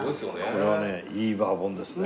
これはねいいバーボンですね。